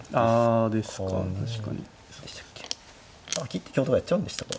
切って香とかやっちゃうんでしたか。